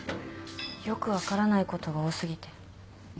よく分からないことが多過ぎて。